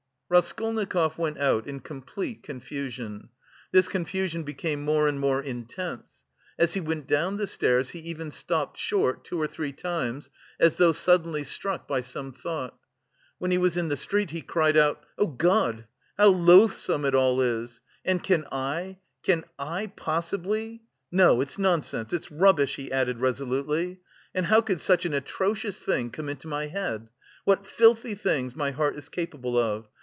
Raskolnikov went out in complete confusion. This confusion became more and more intense. As he went down the stairs, he even stopped short, two or three times, as though suddenly struck by some thought. When he was in the street he cried out, "Oh, God, how loathsome it all is! and can I, can I possibly.... No, it's nonsense, it's rubbish!" he added resolutely. "And how could such an atrocious thing come into my head? What filthy things my heart is capable of.